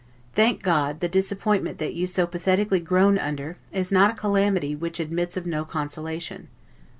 Thank God, the disappointment that you so pathetically groan under, is not a calamity which admits of no consolation.